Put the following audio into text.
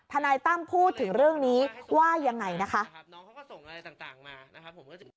นายตั้มพูดถึงเรื่องนี้ว่ายังไงนะคะ